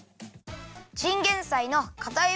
チンゲンサイのかたい